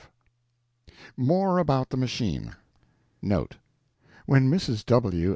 V More About the Machine Note.—When Mrs. W.